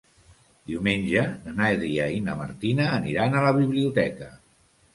Diumenge na Nàdia i na Martina aniran a la biblioteca.